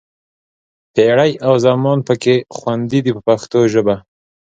پېړۍ او زمان پکې خوندي دي په پښتو ژبه.